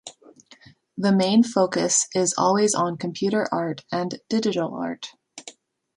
The main focus is always on computer art and digital art.